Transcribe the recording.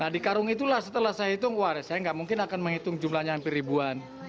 nah di karung itulah setelah saya hitung wah saya nggak mungkin akan menghitung jumlahnya hampir ribuan